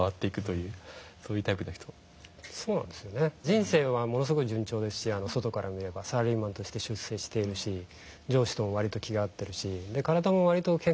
人生はものすごい順調ですし外から見ればサラリーマンとして出世しているし上司とも割と気が合ってるし体も割と健康なんですよね。